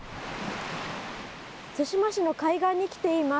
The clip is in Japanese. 対馬市の海岸に来ています。